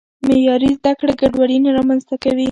معیاري زده کړه ګډوډي نه رامنځته کوي.